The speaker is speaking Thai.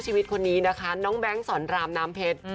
ชีวิตคนนี้นะคะน้องแบงค์สอนรามน้ำเพชร